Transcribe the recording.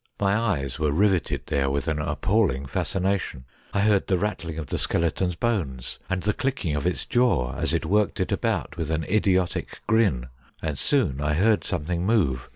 My eyes were riveted there with an appalling fascination. I heard the rattling of the skeleton's bones, and the clicking of its jaw as it worked it about with an idiotic grin, and soon I heard something move.